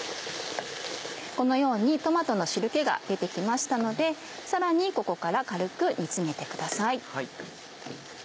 このようにトマトの汁気が出て来ましたのでさらにここから軽く煮つめてください。